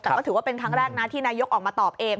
แต่ก็ถือว่าเป็นครั้งแรกนะที่นายกออกมาตอบเอง